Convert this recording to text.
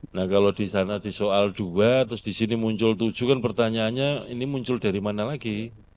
nah kalau di sana di soal dua terus di sini muncul tujuh kan pertanyaannya ini muncul dari mana lagi